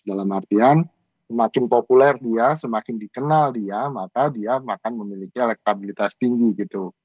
dalam artian semakin populer dia semakin dikenal dia maka dia akan memiliki elektabilitas tinggi gitu